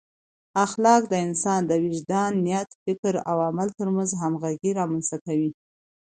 اخلاق د انسان د وجدان، نیت، فکر او عمل ترمنځ همغږي رامنځته کوي.